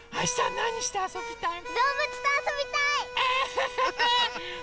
なにしてあそびたいの？